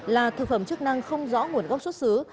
là thực phẩm chức năng không rõ nguồn gốc xuất xứ